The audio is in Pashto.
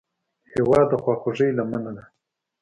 هېواد د خواخوږۍ لمنه ده.